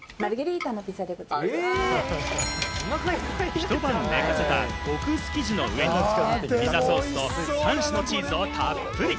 一晩寝かせた極薄生地の上にピザソースと３種のチーズをたっぷり。